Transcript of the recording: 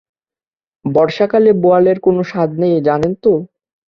বর্ষাকালে বোয়ালের কোনো স্বাদ নেই জানেন তো?